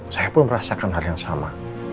saya pun merasakan hal yang sama